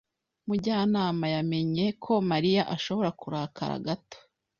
Mujyanama yamenye ko Mariya ashobora kurakara gato.